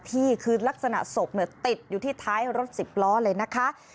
ที่คือลักษณะศพติดอยู่ที่ท้ายรถสิบล้อเลยนะคะ